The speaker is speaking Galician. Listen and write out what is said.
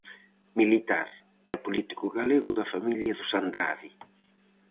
Militar e político galego da familia dos Andrade.